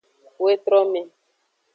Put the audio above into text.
Wetrome.